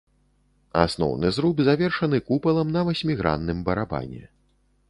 Асноўны зруб завершаны купалам на васьмігранным барабане.